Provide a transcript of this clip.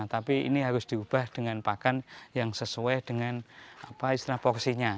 tapi ini harus diubah dengan pakan yang sesuai dengan apa istilah foksinya